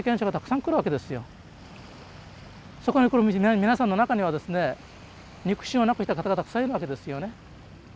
そこに来る皆さんの中にはですね肉親を亡くした方がたくさんいるわけですよね。